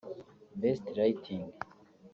Best Lighting